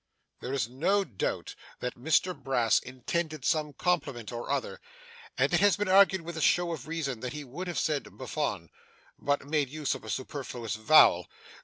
There is no doubt that Mr Brass intended some compliment or other; and it has been argued with show of reason that he would have said Buffon, but made use of a superfluous vowel.